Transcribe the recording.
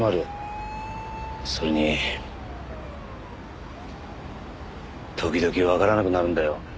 それに時々わからなくなるんだよ。